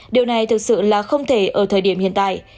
điều này thực sự là không thể ở thời điểm hiện tại